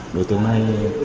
đối tượng này